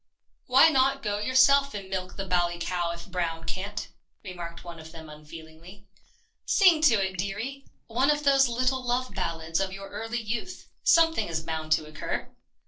" Why not go yourself and milk the bally cow if Brown can't ?" remarked one of them unfeelingly. " Sing to it, dearie — one of those little love ballads of your early youth. Something is bound to occur."